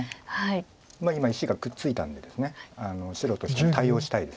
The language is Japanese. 今石がくっついたんで白としても対応したいです。